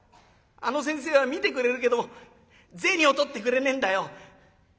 あの先生は診てくれるけども銭を取ってくれねえんだよ。